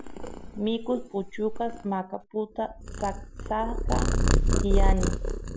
mikus puchukas maqaputa saksaqa tiyani